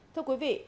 thưa quý vị